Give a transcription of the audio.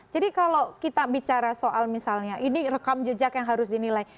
jadi kalau kita bicara soal misalnya ini rekam jejak yang harus dinilai